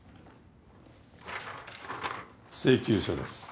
請求書です。